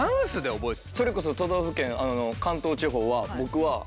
それこそ都道府県関東地方は僕は。